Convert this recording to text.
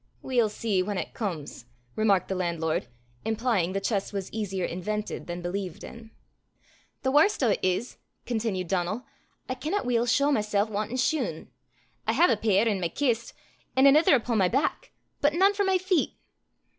"We'll see whan it comes," remarked the landlord, implying the chest was easier invented than believed in. "The warst o' 't is," continued Donal, "I canna weel shaw mysel' wantin' shune. I hae a pair i' my kist, an' anither upo' my back, but nane for my feet."